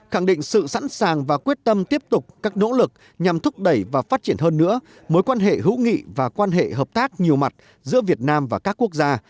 khẳng định sự sẵn sàng và quyết tâm tiếp tục các nỗ lực nhằm thúc đẩy và phát triển hơn nữa mối quan hệ hữu nghị và quan hệ hợp tác nhiều mặt giữa việt nam và các quốc gia